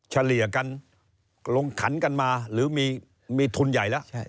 เฉลี่ยกันลงขันกันมาหรือมีทุนใหญ่แล้ว